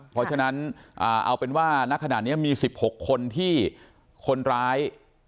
เพราะฉะนั้นเอาเป็นว่าณขณะนี้มี๑๖คนที่คนร้าย